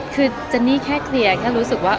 คือเจนนี่แค่เคลียร์แค่รู้สึกว่า